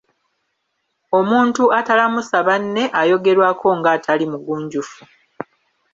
Omuntu atalamusa banne ayogerwako ng'atali mugunjufu.